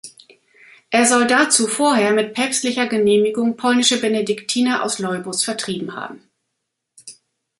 Er soll dazu vorher mit päpstlicher Genehmigung polnische Benediktiner aus Leubus vertrieben haben.